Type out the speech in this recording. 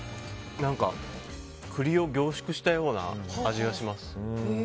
栗を凝縮したような味がします。